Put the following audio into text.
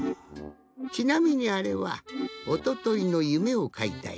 ちなみにあれはおとといのゆめをかいたえじゃ。